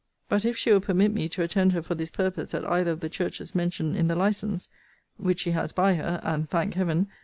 But if she will permit me to attend her for this purpose at either of the churches mentioned in the license, (which she has by her, and, thank Heaven!